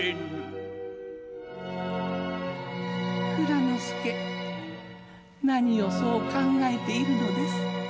「内蔵助何をそう考えているのです。